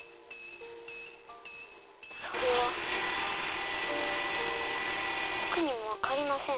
それはぼくにもわかりません。